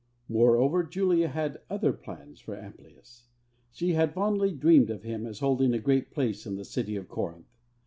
Moreover, Julia had other plans for Amplius. She had fondly dreamed of him as holding a great place in the city of Corinth.